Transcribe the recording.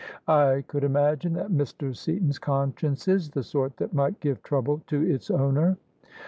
''I could imagine that Mr. Seaton's conscience is the sort that might give trouble to its owner."